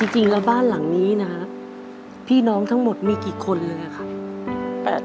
จริงแล้วบ้านหลังนี้นะฮะพี่น้องทั้งหมดมีกี่คนเลยครับ